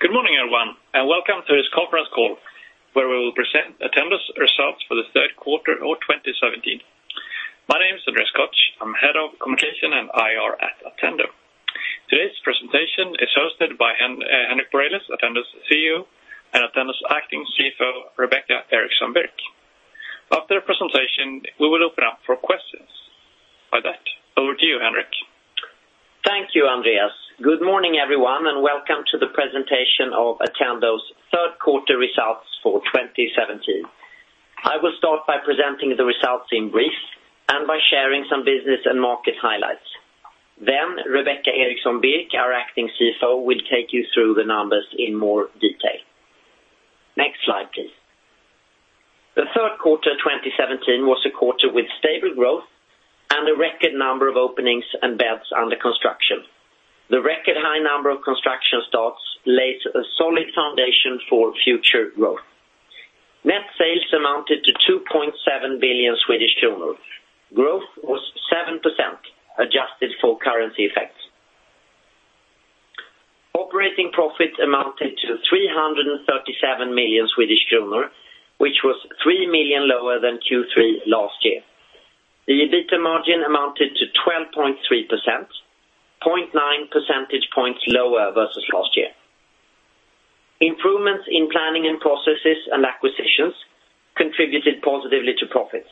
Good morning, everyone, and welcome to this conference call, where we will present Attendo's results for the third quarter of 2017. My name is Andreas Koch. I'm head of communication and IR at Attendo. Today's presentation is hosted by Henrik Borelius, Attendo's CEO, and Attendo's acting CFO, Rebecca Eriksson Birk. After the presentation, we will open up for questions. With that, over to you, Henrik. Thank you, Andreas. Good morning, everyone, and welcome to the presentation of Attendo's third quarter results for 2017. I will start by presenting the results in brief and by sharing some business and market highlights. Rebecca Eriksson Birk, our acting CFO, will take you through the numbers in more detail. Next slide, please. The third quarter 2017 was a quarter with stable growth and a record number of openings and beds under construction. The record high number of construction starts lays a solid foundation for future growth. Net sales amounted to 2.7 billion Swedish kronor. Growth was 7%, adjusted for currency effects. Operating profits amounted to 337 million Swedish kronor, which was 3 million lower than Q3 last year. The EBITDA margin amounted to 12.3%, 0.9 percentage points lower versus last year. Improvements in planning and processes and acquisitions contributed positively to profits.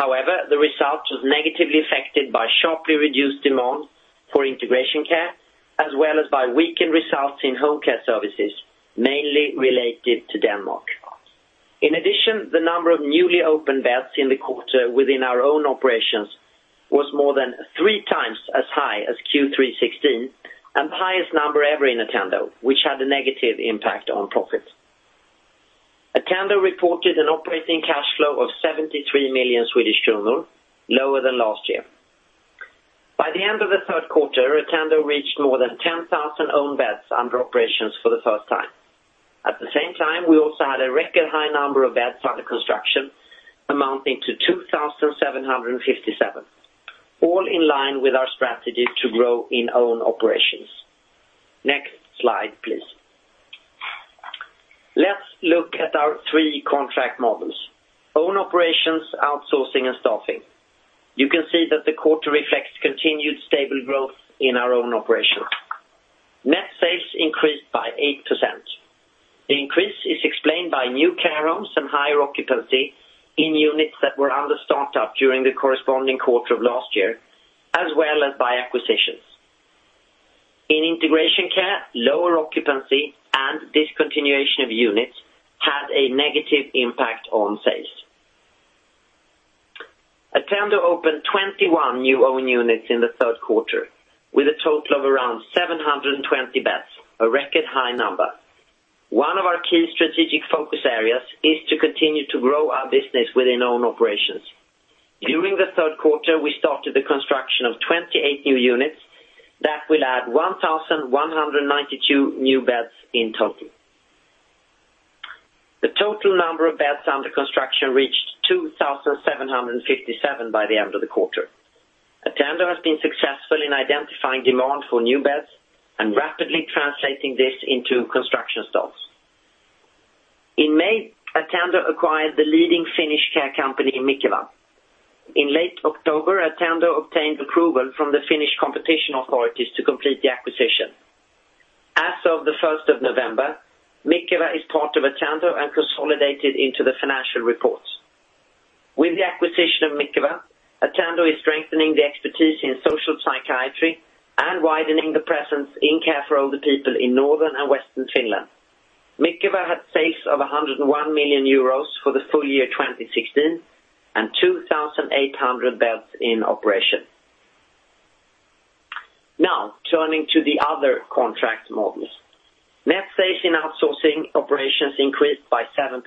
The result was negatively affected by sharply reduced demand for integration care, as well as by weakened results in home care services, mainly related to Denmark. In addition, the number of newly opened beds in the quarter within our own operations was more than three times as high as Q3 2016 and the highest number ever in Attendo, which had a negative impact on profits. Attendo reported an operating cash flow of 73 million Swedish kronor, lower than last year. By the end of the third quarter, Attendo reached more than 10,000 own beds under operations for the first time. At the same time, we also had a record high number of beds under construction amounting to 2,757, all in line with our strategy to grow in own operations. Next slide, please. Let's look at our 3 contract models: own operations, outsourcing, and staffing. You can see that the quarter reflects continued stable growth in our own operations. Net sales increased by 8%. The increase is explained by new care homes and higher occupancy in units that were under start-up during the corresponding quarter of last year, as well as by acquisitions. In integration care, lower occupancy and discontinuation of units had a negative impact on sales. Attendo opened 21 new own units in the third quarter with a total of around 720 beds, a record high number. One of our key strategic focus areas is to continue to grow our business within own operations. During the third quarter, we started the construction of 28 new units that will add 1,192 new beds in total. The total number of beds under construction reached 2,757 by the end of the quarter. Attendo has been successful in identifying demand for new beds and rapidly translating this into construction starts. In May, Attendo acquired the leading Finnish care company Mikeva. In late October, Attendo obtained approval from the Finnish Competition and Consumer Authority to complete the acquisition. As of the 1st of November, Mikeva is part of Attendo and consolidated into the financial reports. With the acquisition of Mikeva, Attendo is strengthening the expertise in social psychiatry and widening the presence in care for older people in Northern and Western Finland. Mikeva had sales of 101 million euros for the full year 2016 and 2,800 beds in operation. Now, turning to the other contract models. Net sales in outsourcing operations increased by 7%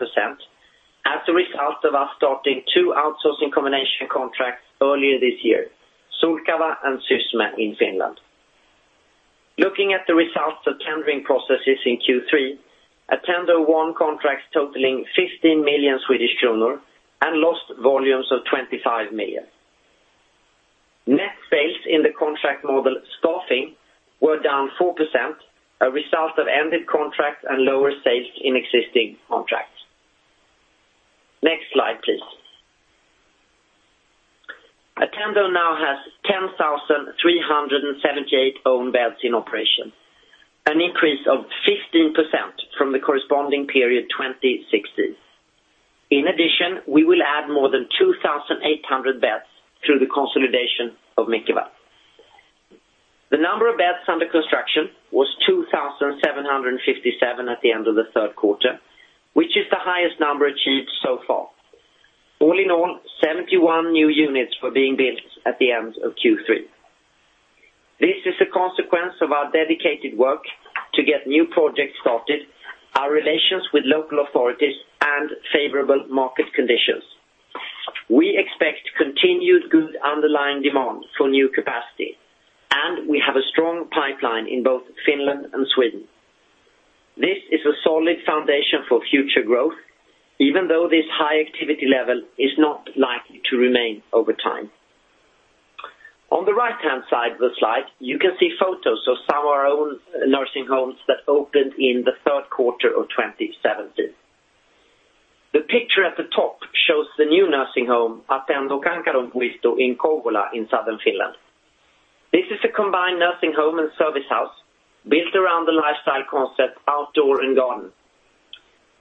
as a result of us starting two outsourcing combination contracts earlier this year, Sulkava and Sysmä in Finland. Looking at the results of tendering processes in Q3, Attendo won contracts totaling 15 million Swedish kronor and lost volumes of 25 million. Net sales in the contract model staffing were down 4%, a result of ended contracts and lower sales in existing contracts. Next slide, please. Attendo now has 10,378 own beds in operation, an increase of 15% from the corresponding period 2016. In addition, we will add more than 2,800 beds through the consolidation of Mikeva. The number of beds under construction was 2,757 at the end of the third quarter, which is the highest number achieved so far. All in all, 71 new units were being built at the end of Q3. This is a consequence of our dedicated work to get new projects started, our relations with local authorities, and favorable market conditions. We expect continued good underlying demand for new capacity. We have a strong pipeline in both Finland and Sweden. This is a solid foundation for future growth, even though this high activity level is not likely to remain over time. On the right-hand side of the slide, you can see photos of some of our own nursing homes that opened in the third quarter of 2017. The picture at the top shows the new nursing home, Attendo Kankaanruusu in Kouvola in Southern Finland. This is a combined nursing home and service house built around the lifestyle concept outdoor and garden.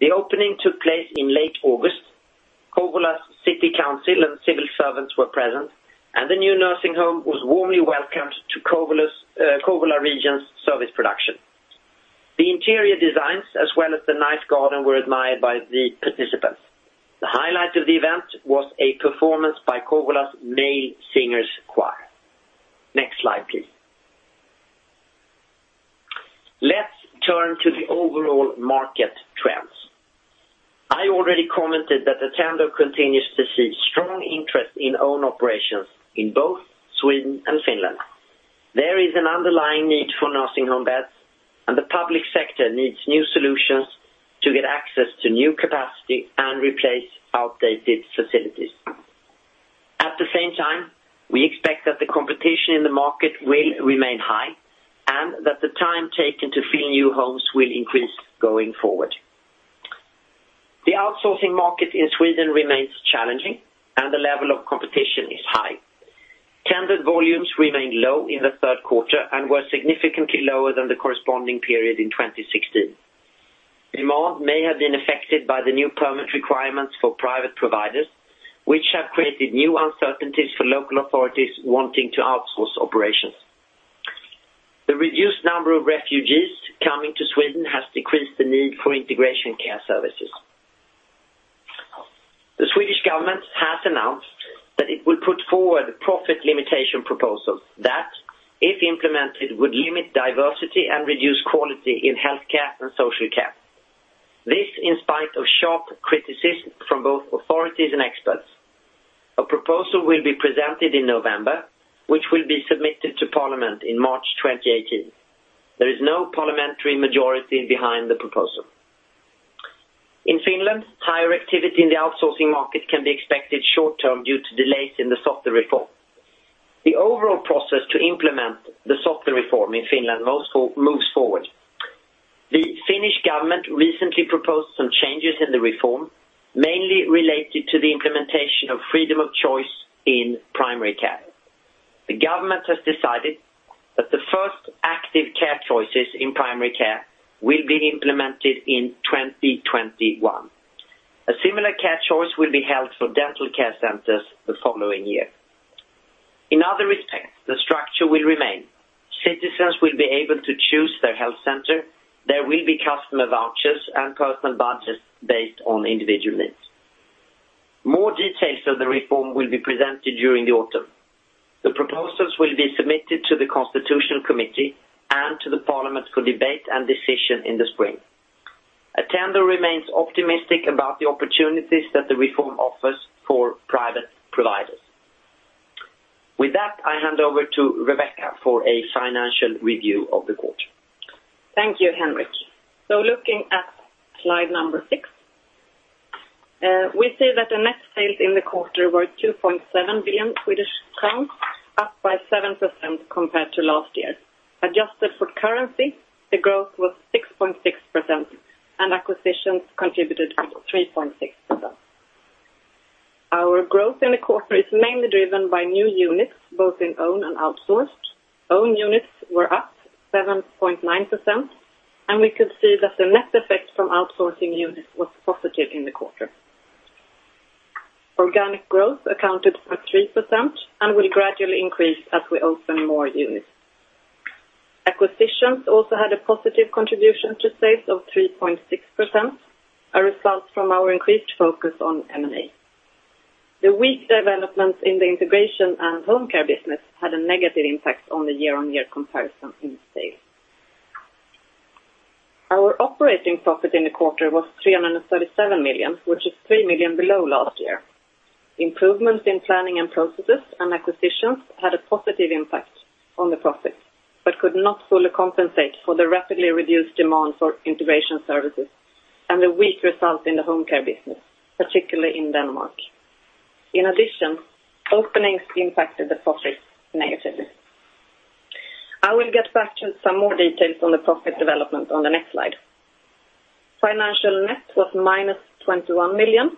The opening took place in late August. Kouvola's City Council and civil servants were present, and the new nursing home was warmly welcomed to Kouvola region's service production. The interior designs, as well as the nice garden, were admired by the participants. The highlight of the event was a performance by Kouvola's male singers choir. Next slide, please. Let's turn to the overall market trends. I already commented that Attendo continues to see strong interest in own operations in both Sweden and Finland. There is an underlying need for nursing home beds, the public sector needs new solutions to get access to new capacity and replace outdated facilities. At the same time, we expect that the competition in the market will remain high and that the time taken to fill new homes will increase going forward. The outsourcing market in Sweden remains challenging and the level of competition is high. Tended volumes remained low in the third quarter and were significantly lower than the corresponding period in 2016. Demand may have been affected by the new permit requirements for private providers, which have created new uncertainties for local authorities wanting to outsource operations. The reduced number of refugees coming to Sweden has decreased the need for integration care services. The Swedish government has announced that it will put forward profit limitation proposals that, if implemented, would limit diversity and reduce quality in healthcare and social care. This in spite of sharp criticism from both authorities and experts. A proposal will be presented in November, which will be submitted to Parliament in March 2018. There is no parliamentary majority behind the proposal. In Finland, higher activity in the outsourcing market can be expected short term due to delays in the SOTE reform. The overall process to implement the SOTE reform in Finland moves forward. The Finnish government recently proposed some changes in the reform, mainly related to the implementation of freedom of choice in primary care. The government has decided that the first active care choices in primary care will be implemented in 2021. A similar care choice will be held for dental care centers the following year. In other respects, the structure will remain. Citizens will be able to choose their health center. There will be customer vouchers and personal budgets based on individual needs. More details of the reform will be presented during the autumn. The proposals will be submitted to the Committee on the Constitution and to the Parliament for debate and decision in the spring. Attendo remains optimistic about the opportunities that the reform offers for private providers. With that, I hand over to Rebecca for a financial review of the quarter. Thank you, Henrik. Looking at slide number six, we see that the net sales in the quarter were 2.7 billion Swedish crowns, up by 7% compared to last year. Adjusted for currency, the growth was 6.6%, and acquisitions contributed with 3.6%. Our growth in the quarter is mainly driven by new units, both in owned and outsourced. Owned units were up 7.9%, and we could see that the net effect from outsourcing units was positive in the quarter. Organic growth accounted for 3% and will gradually increase as we open more units. Acquisitions also had a positive contribution to sales of 3.6%, a result from our increased focus on M&A. The weak development in the integration and home care business had a negative impact on the year-on-year comparison in sales. Our operating profit in the quarter was 337 million, which is 3 million below last year. Improvements in planning and processes and acquisitions had a positive impact on the profit, but could not fully compensate for the rapidly reduced demand for integration services and the weak result in the home care business, particularly in Denmark. In addition, openings impacted the profit negatively. I will get back to some more details on the profit development on the next slide. Financial net was minus 21 million,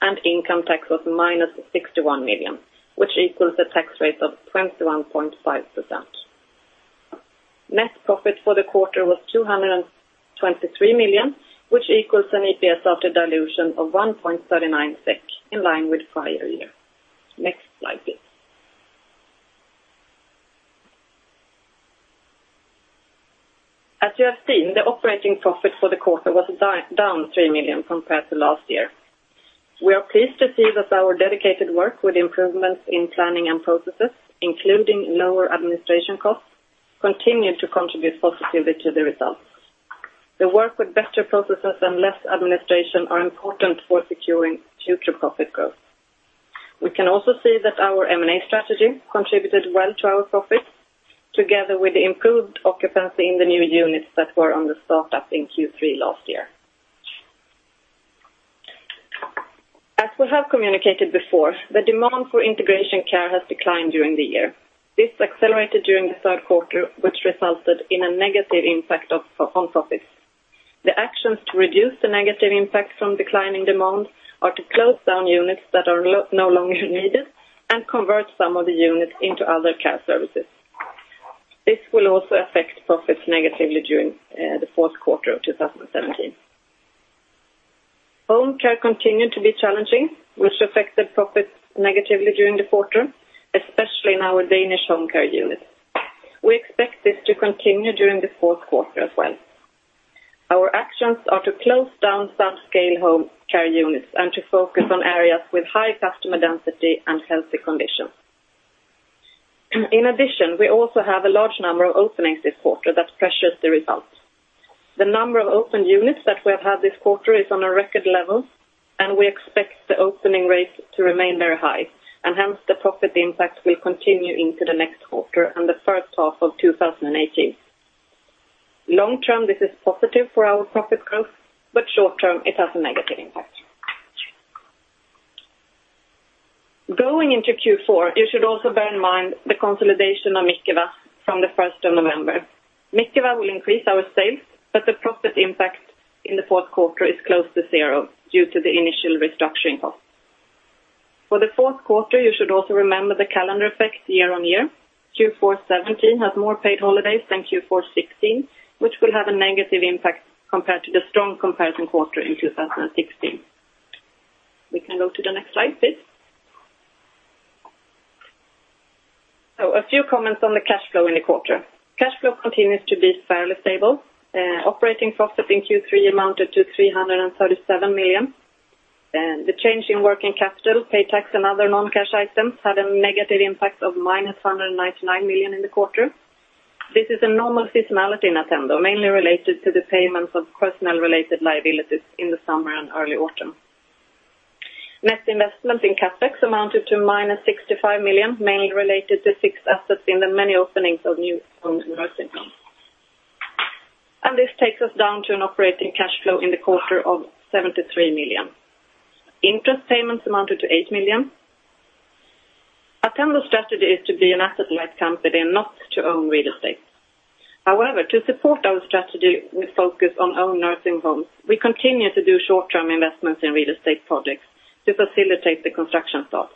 and income tax was minus 61 million, which equals a tax rate of 21.5%. Net profit for the quarter was 223 million, which equals an EPS after dilution of 1.39 SEK, in line with prior year. Next slide, please. As you have seen, the operating profit for the quarter was down 3 million compared to last year. We are pleased to see that our dedicated work with improvements in planning and processes, including lower administration costs, continue to contribute positively to the results. The work with better processes and less administration are important for securing future profit growth. We can also see that our M&A strategy contributed well to our profit together with the improved occupancy in the new units that were on the startup in Q3 last year. We have communicated before the demand for integration care has declined during the year. This accelerated during the third quarter, which resulted in a negative impact on profits. The actions to reduce the negative impact from declining demand are to close down units that are no longer needed and convert some of the units into other care services. This will also affect profits negatively during the fourth quarter of 2017. Home care continued to be challenging, which affected profits negatively during the quarter, especially in our Danish home care unit. We expect this to continue during the fourth quarter as well. Our actions are to close down subscale home care units and to focus on areas with high customer density and healthy conditions. In addition, we also have a large number of openings this quarter that pressures the results. The number of open units that we have had this quarter is on a record level, and we expect the opening rates to remain very high, and hence the profit impact will continue into the next quarter and the first half of 2018. Long term, this is positive for our profit growth, but short term it has a negative impact. Going into Q4, you should also bear in mind the consolidation of Mikeva from the 1st of November. Mikeva will increase our sales, but the profit impact in the fourth quarter is close to zero due to the initial restructuring cost. For the fourth quarter, you should also remember the calendar effect year-over-year. Q4 2017 has more paid holidays than Q4 2016, which will have a negative impact compared to the strong comparison quarter in 2016. We can go to the next slide, please. A few comments on the cash flow in the quarter. Cash flow continues to be fairly stable. Operating profit in Q3 amounted to 337 million. The change in working capital, pay tax, and other non-cash items had a negative impact of -99 million in the quarter. This is a normal seasonality in Attendo, mainly related to the payments of personal related liabilities in the summer and early autumn. Net investment in CapEx amounted to -65 million, mainly related to fixed assets in the many openings of new owned nursing homes. This takes us down to an operating cash flow in the quarter of 73 million. Interest payments amounted to 8 million. Attendo strategy is to be an asset light company and not to own real estate. However, to support our strategy with focus on owned nursing homes, we continue to do short term investments in real estate projects to facilitate the construction start.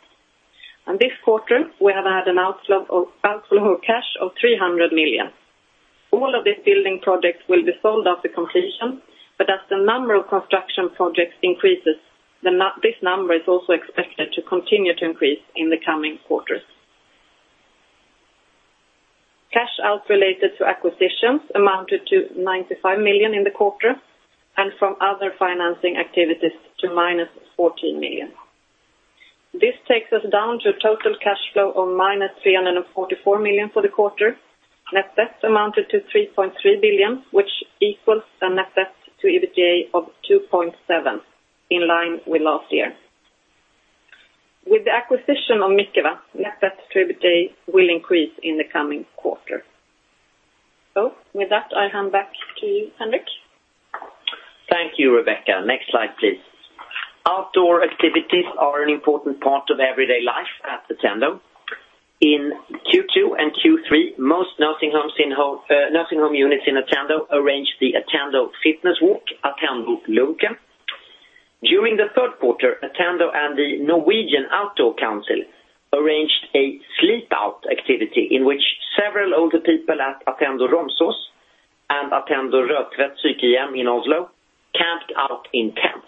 This quarter, we have had an outflow of cash of 300 million. All of these building projects will be sold after completion, but as the number of construction projects increases, this number is also expected to continue to increase in the coming quarters. Cash out related to acquisitions amounted to 95 million in the quarter and from other financing activities to -14 million. This takes us down to a total cash flow of -344 million for the quarter. Net debt amounted to 3.3 billion, which equals the net debt to EBITDA of 2.7 in line with last year. With the acquisition of Mikeva, net debt to EBITDA will increase in the coming quarter. With that, I hand back to Henrik. Thank you, Rebecca. Next slide, please. Outdoor activities are an important part of everyday life at Attendo. In Q2 and Q3, most nursing home units in Attendo arranged the Attendo Fitness Walk, Attendo Loka. During the third quarter, Attendo and the Norwegian Outdoor Council arranged a sleepout activity in which several older people at Attendo Romsås and Attendo Rødtvet Sykehjem in Oslo camped out in tents.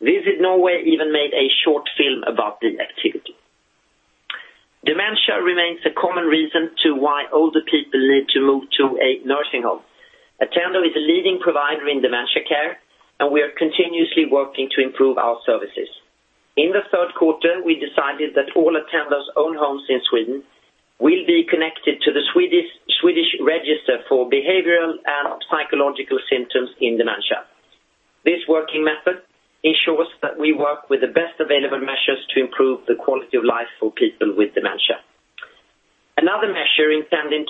Visit Norway even made a short film about the activity. Dementia remains a common reason to why older people need to move to a nursing home. Attendo is a leading provider in dementia care, and we are continuously working to improve our services. In the third quarter, we decided that all Attendo's own homes in Sweden will be connected to the Swedish Register for behavioral and psychological symptoms in dementia. This working method ensures that we work with the best available measures to improve the quality of life for people with dementia. Another measure intended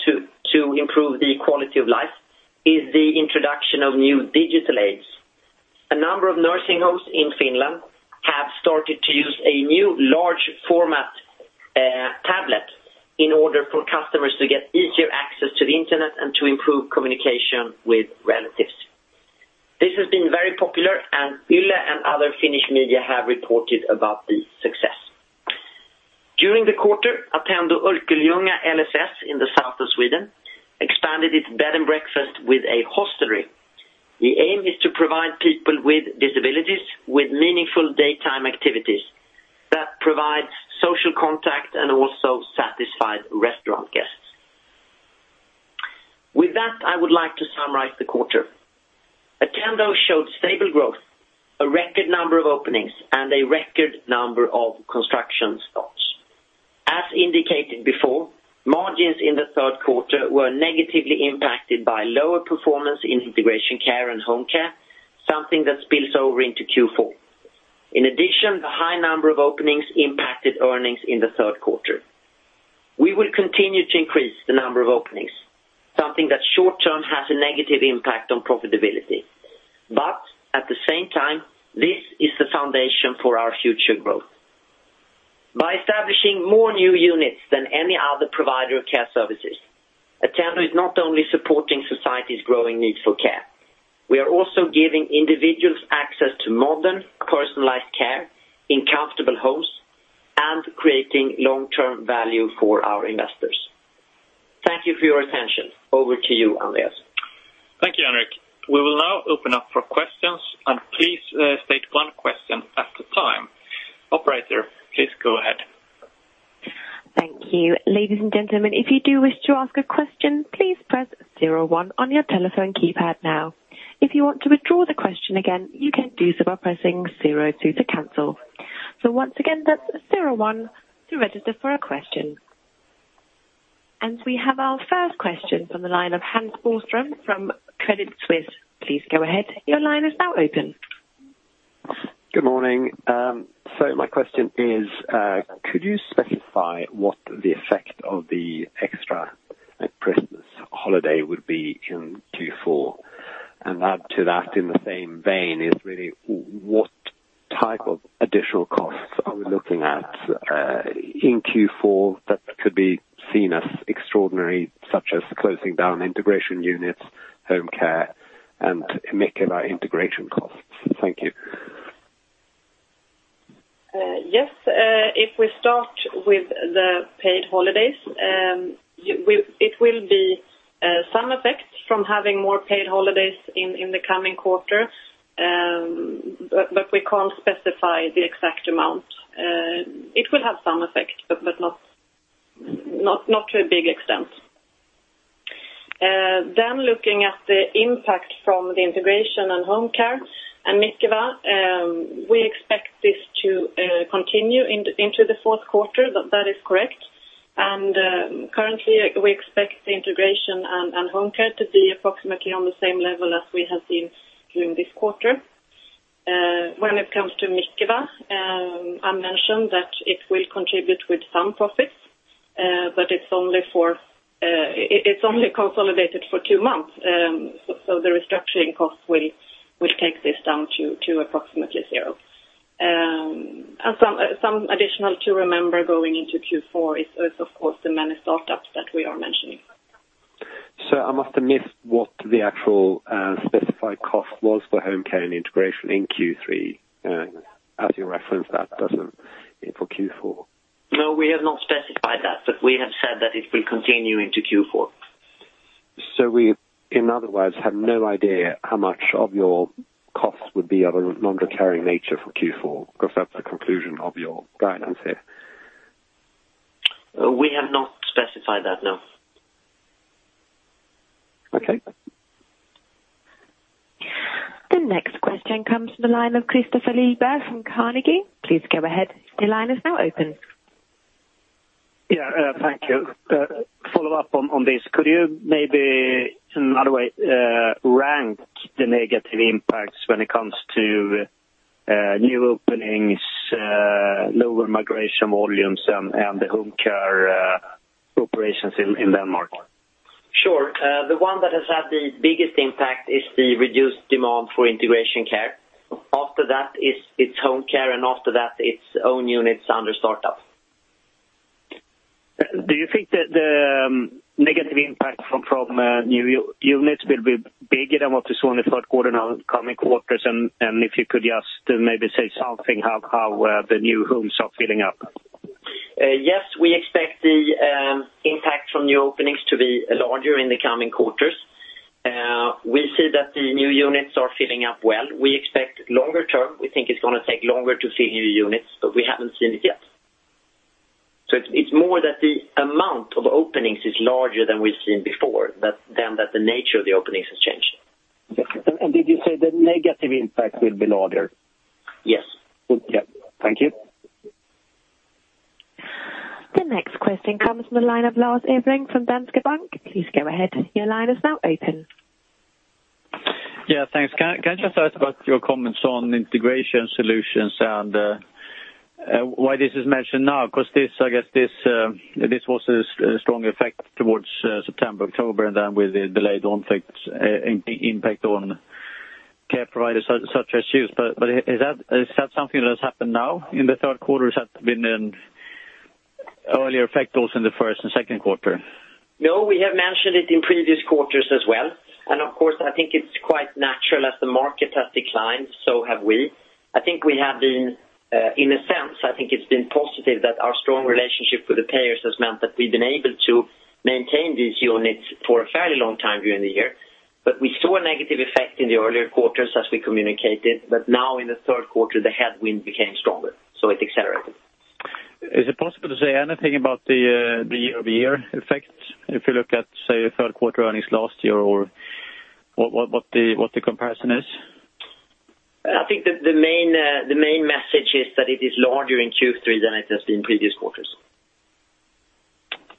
to improve the quality of life is the introduction of new digital aids. A number of nursing homes in Finland have started to use a new large format tablet in order for customers to get easier access to the internet and to improve communication with relatives. This has been very popular, and Yle and other Finnish media have reported about the success. During the quarter, Attendo Örkelljunga LSS in the south of Sweden expanded its bed and breakfast with a hostelry. The aim is to provide people with disabilities with meaningful daytime activities that provides social contact and also satisfied restaurant guests. With that, I would like to summarize the quarter. Attendo showed stable growth, a record number of openings, and a record number of construction starts. As indicated before, margins in the third quarter were negatively impacted by lower performance in integration care and home care, something that spills over into Q4. In addition, the high number of openings impacted earnings in the third quarter. We will continue to increase the number of openings, something that short term has a negative impact on profitability. At the same time, this is the foundation for our future growth. By establishing more new units than any other provider of care services, Attendo is not only supporting society's growing needs for care, we are also giving individuals access to modern, personalized care in comfortable homes and creating long-term value for our investors. Thank you for your attention. Over to you, Andreas. Thank you, Henrik. We will now open up for questions. Please state one question at a time. Operator, please go ahead. Thank you. Ladies and gentlemen, if you do wish to ask a question, please press zero one on your telephone keypad now. If you want to withdraw the question again, you can do so by pressing zero two to cancel. Once again, that's zero one to register for a question. We have our first question from the line of Hans Boström from Credit Suisse. Please go ahead. Your line is now open. Good morning. My question is, could you specify what the effect of the extra Christmas holiday would be in Q4? Add to that in the same vein is really what type of additional costs are we looking at in Q4 that could be seen as extraordinary, such as closing down integration units, home care, and Mikeva integration costs? Thank you. Yes. If we start with the paid holidays, it will be some effect from having more paid holidays in the coming quarter. We can't specify the exact amount. It will have some effect, but not to a big extent. Looking at the impact from the integration and home care and Mikeva, we expect this to continue into the fourth quarter. That is correct. Currently we expect the integration and home care to be approximately on the same level as we have seen during this quarter. When it comes to Mikeva, I mentioned that it will contribute with some profits, but it's only consolidated for two months. The restructuring cost will take this down to approximately zero. Some additional to remember going into Q4 is of course the many startups that we are mentioning. I must have missed what the actual specified cost was for home care and integration in Q3, as you referenced that doesn't for Q4. No, we have not specified that, but we have said that it will continue into Q4. We, in other words, have no idea how much of your costs would be of a non-recurring nature for Q4, because that's the conclusion of your guidance here. We have not specified that, no. Okay. The next question comes from the line of Kristofer Liljeberg from Carnegie. Please go ahead. Your line is now open. Yeah. Thank you. Follow up on this. Could you maybe, in another way, rank the negative impacts when it comes to new openings, lower migration volumes, and the home care operations in Denmark? Sure. The one that has had the biggest impact is the reduced demand for integration care. After that it's home care, after that it's own units under startup. Do you think that the negative impact from new units will be bigger than what we saw in the third quarter and coming quarters? If you could just maybe say something how the new homes are filling up. Yes, we expect the impact from new openings to be larger in the coming quarters. We see that the new units are filling up well. We expect longer term, we think it's going to take longer to fill new units, but we haven't seen it yet. It's more that the amount of openings is larger than we've seen before than that the nature of the openings has changed. Okay. Did you say the negative impact will be larger? Yes. Good. Yeah. Thank you. The next question comes from the line of Lars Erikson from Danske Bank. Please go ahead. Your line is now open. Yeah. Thanks. Can I just ask about your comments on integration solutions and why this is mentioned now? I guess this was a strong effect towards September, October, and then with the delayed impact on care providers such as you. Is that something that has happened now in the third quarter? Has that been an earlier effect also in the first and second quarter? No, we have mentioned it in previous quarters as well. Of course, I think it's quite natural as the market has declined, so have we. In a sense, I think it's been positive that our strong relationship with the payers has meant that we've been able to maintain these units for a fairly long time during the year. We saw a negative effect in the earlier quarters as we communicated. Now in the third quarter, the headwind became stronger, so it accelerated. Is it possible to say anything about the year-over-year effect if you look at, say, third quarter earnings last year or what the comparison is? I think the main message is that it is larger in Q3 than it has been previous quarters.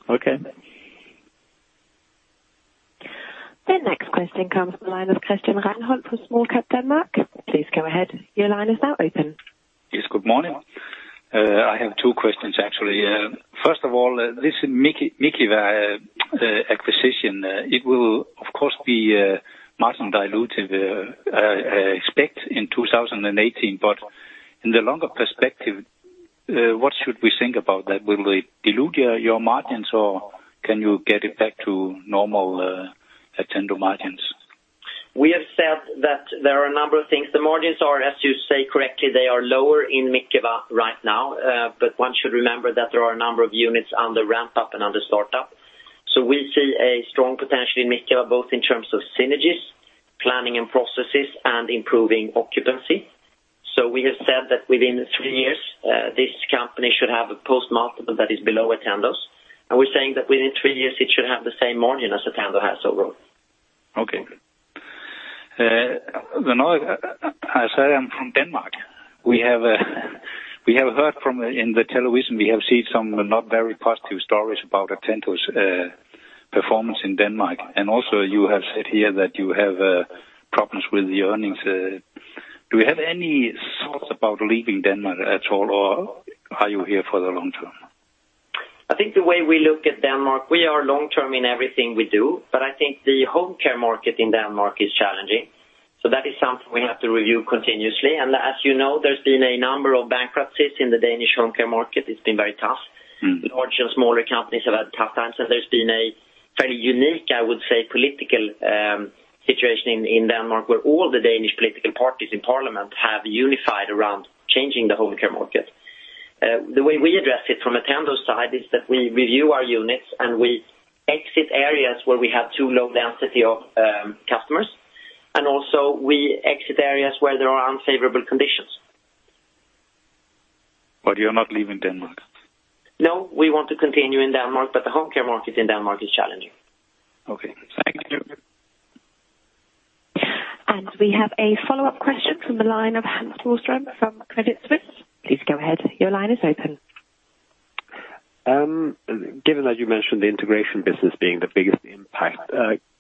Okay. Question comes from the line of Christian Renholdt from Smallcap Danmark. Please go ahead. Your line is now open. Yes, good morning. I have two questions, actually. First of all, this Mikeva acquisition, it will of course be margin dilutive expect in 2018, but in the longer perspective, what should we think about that? Will it dilute your margins, or can you get it back to normal Attendo margins? We have said that there are a number of things. The margins are, as you say, correctly, they are lower in Mikeva right now. One should remember that there are a number of units under ramp up and under start up. We see a strong potential in Mikeva, both in terms of synergies, planning and processes, and improving occupancy. We have said that within three years, this company should have a post-multiple that is below Attendo's. We're saying that within three years it should have the same margin as Attendo has overall. Okay. Good. I said I'm from Denmark. We have heard from in the television, we have seen some not very positive stories about Attendo's performance in Denmark. Also you have said here that you have problems with the earnings. Do you have any thoughts about leaving Denmark at all, or are you here for the long term? I think the way we look at Denmark, we are long term in everything we do, but I think the home care market in Denmark is challenging. That is something we have to review continuously. As you know, there's been a number of bankruptcies in the Danish home care market. It's been very tough. Large and smaller companies have had tough times, and there's been a fairly unique, I would say, political situation in Denmark where all the Danish political parties in parliament have unified around changing the home care market. The way we address it from Attendo's side is that we review our units, and we exit areas where we have too low density of customers, and also we exit areas where there are unfavorable conditions. You're not leaving Denmark? No, we want to continue in Denmark, but the home care market in Denmark is challenging. Okay. Thank you. We have a follow-up question from the line of Hans Boström from Credit Suisse. Please go ahead. Your line is open. Given that you mentioned the integration business being the biggest impact,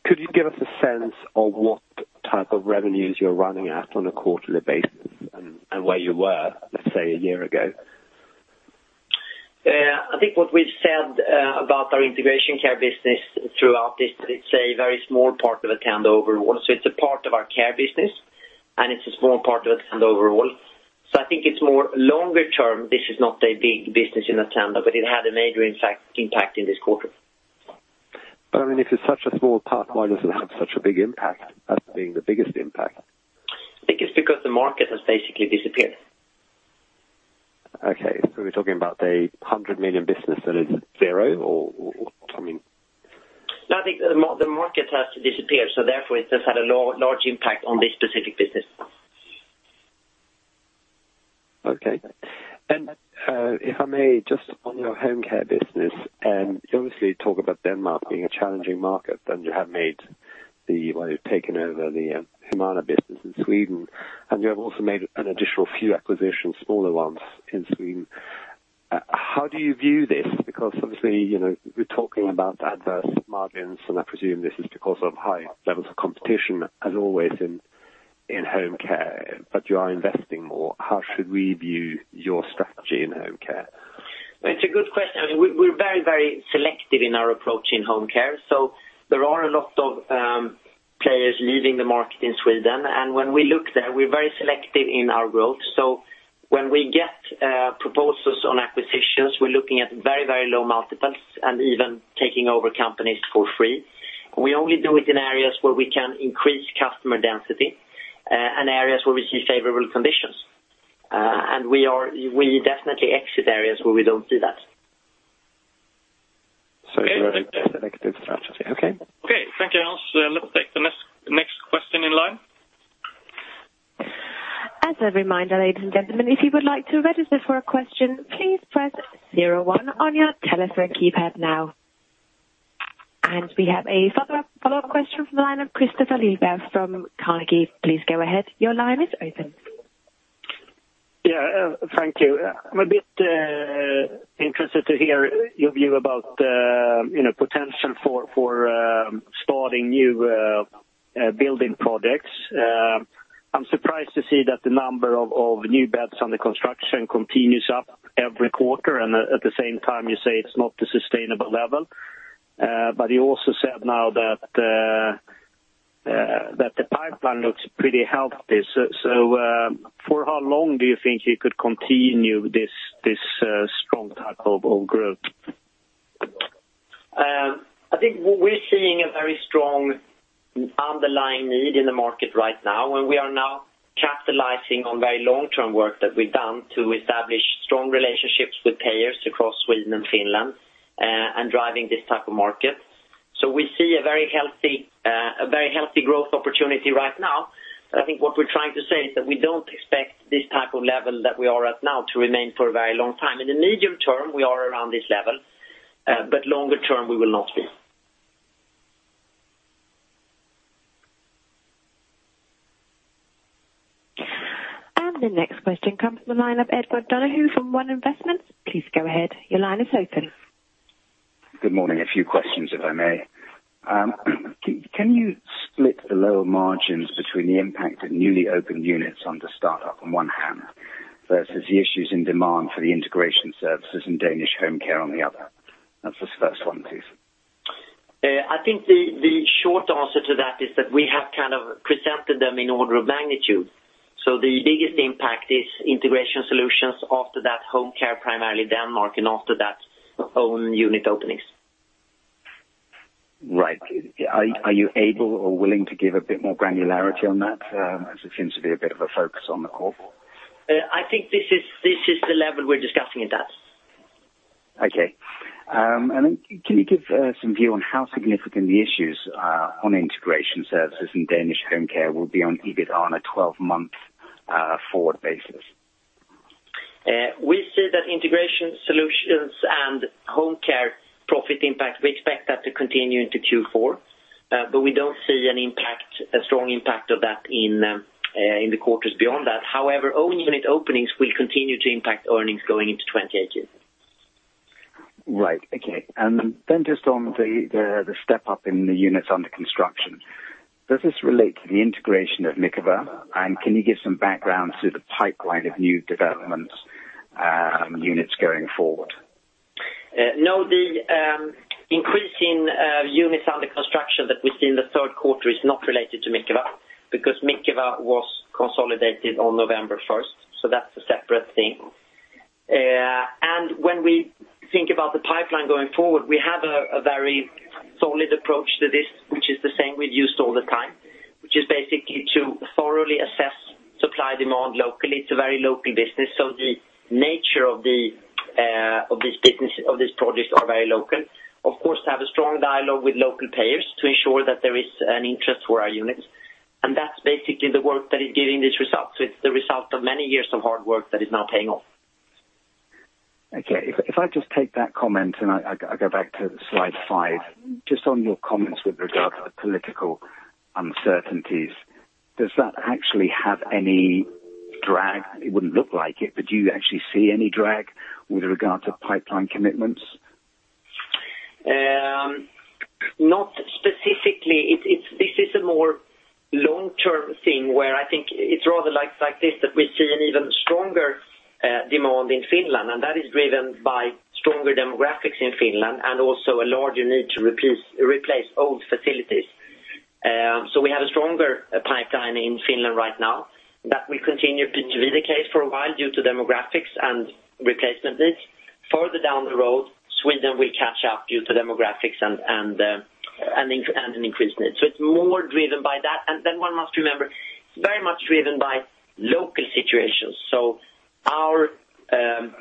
could you give us a sense of what type of revenues you're running at on a quarterly basis and where you were, let's say, a year ago? I think what we've said about our integration care business throughout this, that it's a very small part of Attendo overall. It's a part of our care business, and it's a small part of Attendo overall. I think it's more longer term. This is not a big business in Attendo, but it had a major impact in this quarter. If it's such a small part, why does it have such a big impact as being the biggest impact? I think it's because the market has basically disappeared. Okay. We're talking about the 100 million business that is zero, or what? No, I think the market has disappeared, so therefore it has had a large impact on this specific business. If I may, just on your home care business, you obviously talk about Denmark being a challenging market, you have made the way you've taken over the Humana business in Sweden, you have also made an additional few acquisitions, smaller ones in Sweden. How do you view this? Obviously, we're talking about adverse margins, and I presume this is because of high levels of competition as always in home care, but you are investing more. How should we view your strategy in home care? It's a good question. We're very selective in our approach in home care. There are a lot of players leaving the market in Sweden, and when we look there, we're very selective in our growth. When we get proposals on acquisitions, we're looking at very low multiples and even taking over companies for free. We only do it in areas where we can increase customer density, and areas where we see favorable conditions. We definitely exit areas where we don't see that. You're a selective strategy. Okay. Okay. Thank you, Hans. Let's take the next question in line. As a reminder, ladies and gentlemen, if you would like to register for a question, please press 01 on your telephone keypad now. We have a follow-up question from the line of Kristofer Liljeberg from Carnegie. Please go ahead. Your line is open. Yeah. Thank you. I'm a bit interested to hear your view about potential for starting new building projects. I'm surprised to see that the number of new beds under construction continues up every quarter, and at the same time, you say it's not a sustainable level. You also said now that the pipeline looks pretty healthy. For how long do you think you could continue this strong type of growth? I think we're seeing a very strong underlying need in the market right now, and we are now capitalizing on very long-term work that we've done to establish strong relationships with payers across Sweden and Finland, and driving this type of market. We see a very healthy growth opportunity right now. I think what we're trying to say is that we don't expect this type of level that we are at now to remain for a very long time. In the medium term, we are around this level, but longer term, we will not be. The next question comes from the line of Edward Donahue from One Investments. Please go ahead. Your line is open. Good morning. A few questions if I may. Can you split the lower margins between the impact of newly opened units on the startup on one hand, versus the issues in demand for the integration services in Danish home care on the other? That's the first one, please. I think the short answer to that is that we have presented them in order of magnitude. The biggest impact is integration solutions. After that, home care, primarily Denmark, and after that, own unit openings. Right. Are you able or willing to give a bit more granularity on that? As it seems to be a bit of a focus on the call. I think this is the level we're discussing it at. Okay. Can you give some view on how significant the issues are on integration services in Danish home care will be on EBIT on a 12-month forward basis? We see that integration solutions and home care profit impact, we expect that to continue into Q4, but we don't see a strong impact of that in the quarters beyond that. However, own unit openings will continue to impact earnings going into 2018. Right. Okay. Just on the step-up in the units under construction. Does this relate to the integration of Mikeva? Can you give some background to the pipeline of new developments units going forward? No, the increase in units under construction that we see in the third quarter is not related to Mikeva, because Mikeva was consolidated on November 1st, that's a separate thing. When we think about the pipeline going forward, we have a very solid approach to this, which is the same we've used all the time, which is basically to thoroughly assess supply-demand locally. It's a very local business. The nature of these projects are very local. Of course, to have a strong dialogue with local payers to ensure that there is an interest for our units. That's basically the work that is giving this result. It's the result of many years of hard work that is now paying off. Okay. If I just take that comment, I go back to slide five, just on your comments with regard to the political uncertainties, does that actually have any drag? It wouldn't look like it, but do you actually see any drag with regard to pipeline commitments? Not specifically. This is a more long-term thing where I think it's rather like this, that we see an even stronger demand in Finland, and that is driven by stronger demographics in Finland and also a larger need to replace old facilities. We have a stronger pipeline in Finland right now. That will continue to be the case for a while due to demographics and replacement needs. Further down the road, Sweden will catch up due to demographics and an increased need. It's more driven by that. One must remember, it's very much driven by local situations. Our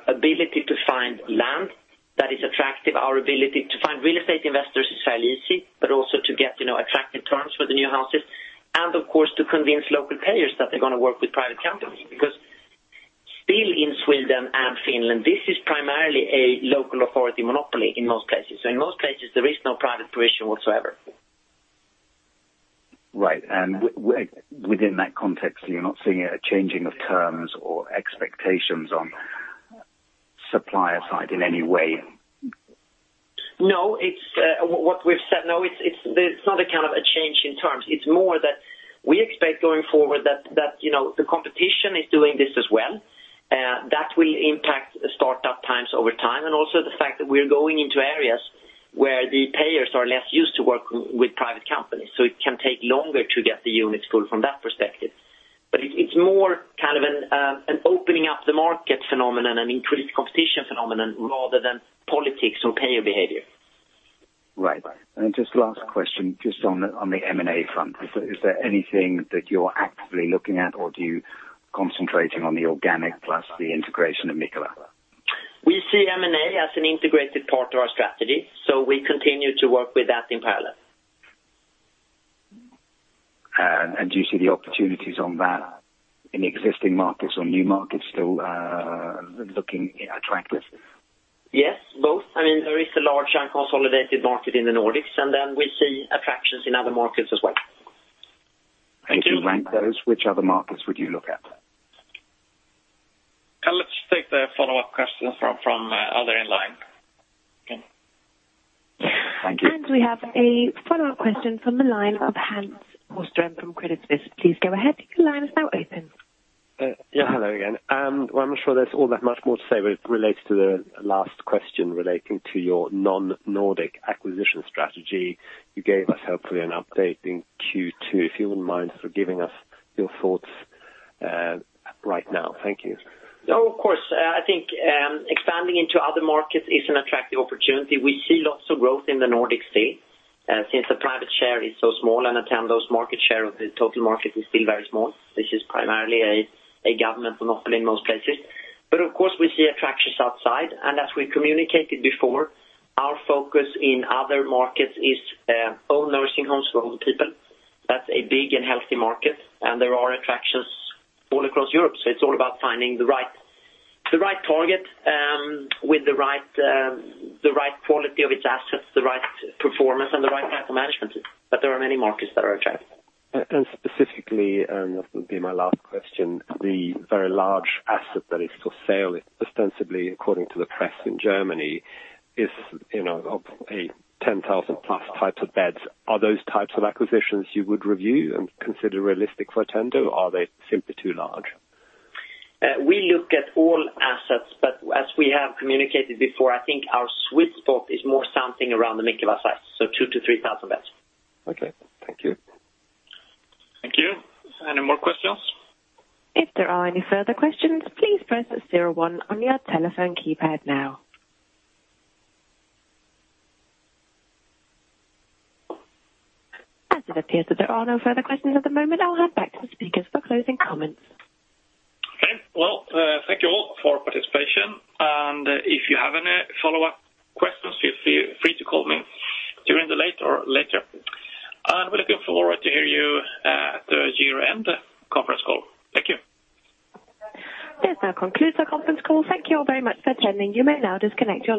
ability to find land that is attractive, our ability to find real estate investors is fairly easy, but also to get attractive terms for the new houses, and of course, to convince local payers that they're going to work with private companies. Because still in Sweden and Finland, this is primarily a local authority monopoly in most places. In most places, there is no private provision whatsoever. Right. Within that context, you're not seeing a changing of terms or expectations on supplier side in any way? No. What we've said, no, it's not a change in terms. It's more that we expect going forward that the competition is doing this as well. That will impact startup times over time. Also the fact that we're going into areas where the payers are less used to working with private companies. It can take longer to get the units full from that perspective. It's more an opening up the market phenomenon and increased competition phenomenon rather than politics or payer behavior. Right. Just last question, just on the M&A front. Is there anything that you're actively looking at or are you concentrating on the organic plus the integration of Mikeva? We see M&A as an integrated part of our strategy, we continue to work with that in parallel. Do you see the opportunities on that in existing markets or new markets still looking attractive? Yes, both. There is a large unconsolidated market in the Nordics, and then we see attractions in other markets as well. To rank those, which other markets would you look at? Let's take the follow-up question from other in line. Okay. Thank you. We have a follow-up question from the line of Hans Boström from Credit Suisse. Please go ahead. Your line is now open. Hello again. Well, I'm not sure there's all that much more to say. It relates to the last question relating to your non-Nordic acquisition strategy. You gave us helpfully an update in Q2. If you wouldn't mind for giving us your thoughts right now. Thank you. No, of course. I think expanding into other markets is an attractive opportunity. We see lots of growth in the Nordics. Since the private share is so small and Attendo's market share of the total market is still very small, this is primarily a government monopoly in most places. Of course, we see attractions outside. As we communicated before, our focus in other markets is own nursing homes for old people. That's a big and healthy market, and there are attractions all across Europe. It's all about finding the right target with the right quality of its assets, the right performance, and the right type of management. There are many markets that are attractive. Specifically, and this will be my last question, the very large asset that is for sale, ostensibly according to the press in Germany, is a 10,000 plus types of beds. Are those types of acquisitions you would review and consider realistic for Attendo, or are they simply too large? We look at all assets. As we have communicated before, I think our sweet spot is more something around the Mikeva size, two to 3,000 beds. Okay. Thank you. Thank you. Any more questions? If there are any further questions, please press 01 on your telephone keypad now. As it appears that there are no further questions at the moment, I'll hand back to the speakers for closing comments. Well, thank you all for participation. If you have any follow-up questions, feel free to call me during the late or later. We're looking forward to hear you at the year-end conference call. Thank you. This now concludes our conference call. Thank you all very much for attending. You may now disconnect your line.